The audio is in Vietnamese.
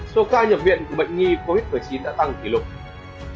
số ca nhập viện của bệnh nhi covid một mươi chín đã tăng kỷ lục